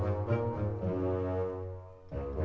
apa yangan mah